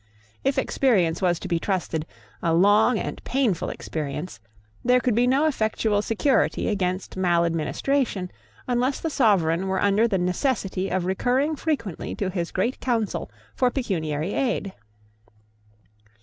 If experience was to be trusted, a long and painful experience, there could be no effectual security against maladministration, unless the Sovereign were under the necessity of recurring frequently to his Great Council for pecuniary aid.